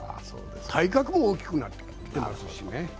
体格も大きくなってきていますのでね。